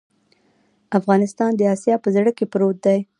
افغانستان د اسیا په زړه کې پروت دی